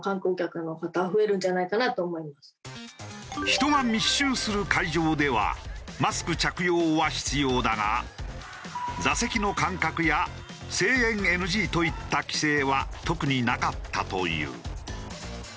人が密集する会場ではマスク着用は必要だが座席の間隔や声援ＮＧといった規制は特になかったという。